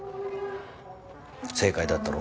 正解だったろ？